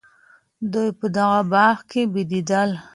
دوی په دغه باغ کي بېدېدل.